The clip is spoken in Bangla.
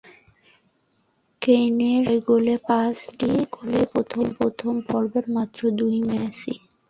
কেইনের ছয় গোলের পাঁচটি গোলই প্রথম পর্বের মাত্র দুই ম্যাচেই।